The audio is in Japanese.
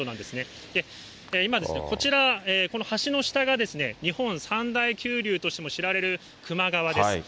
いまこちら、この橋の下が、日本三大急流としても知られる球磨川です。